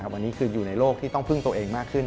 วันนี้คืออยู่ในโลกที่ต้องพึ่งตัวเองมากขึ้น